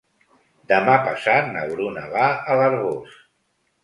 Demà passat na Bruna va a l'Arboç.